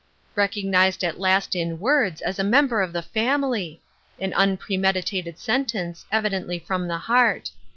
Recognized at last in words as a member of the family ! An unpremeditated sentence, evidently from the heart.